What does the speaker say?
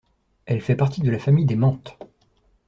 Elle fait partie de la famille des menthes.